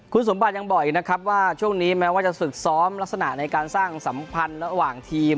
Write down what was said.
คุณสมบัติยังบอกอีกนะครับว่าช่วงนี้แม้ว่าจะฝึกซ้อมลักษณะในการสร้างสัมพันธ์ระหว่างทีม